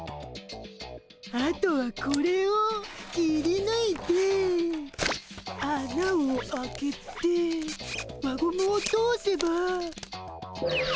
あとはこれをきりぬいてあなを開けて輪ゴムを通せば。